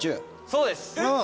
そうです。